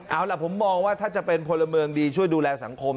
เอาล่ะผมมองว่าถ้าจะเป็นพลเมืองดีช่วยดูแลสังคม